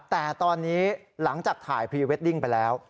แต่ตอนนี้หลังจากถ่ายพรีเวดดิ้งไปแล้ว